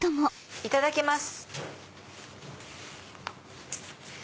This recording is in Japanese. いただきます。